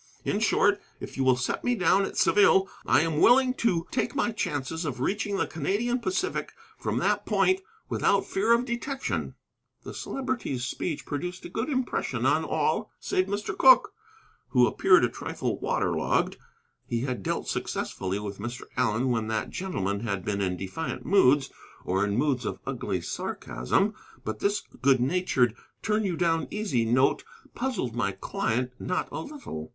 In short, if you will set me down at Saville, I am willing to take my chances of reaching the Canadian Pacific from that point without fear of detection." The Celebrity's speech produced a good impression on all save Mr. Cooke, who appeared a trifle water logged. He had dealt successfully with Mr. Allen when that gentleman had been in defiant moods, or in moods of ugly sarcasm. But this good natured, turn you down easy note puzzled my client not a little.